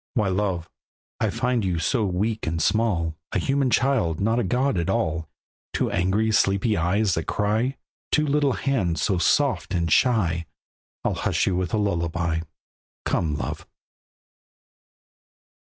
Why love! I find you so weak and small, A human child, not a god at all; Two angry, sleepy eyes that cry, Two little hands so soft and shy, I'll hush you with a lullaby. Come, love!